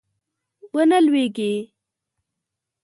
ونه لویږي